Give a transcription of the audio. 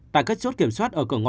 tại các chốt kiểm soát ở cửa ngõ